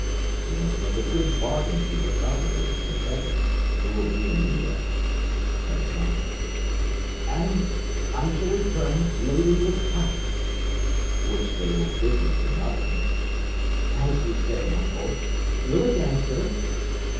"You must make a good bargain for your cargo with the Confederates, who will be in need of it," said his uncle. "And I shall return laden with cotton." "Which they will give you for nothing." "As you say, Uncle. Will it answer?"